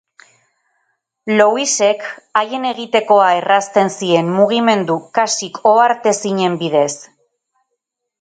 Louisek haien egitekoa errazten zien mugimendu kasik ohartezinen bidez.